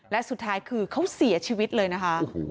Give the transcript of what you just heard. และสุดท้ายคือเขาเสียชีวิตเลยนะคะ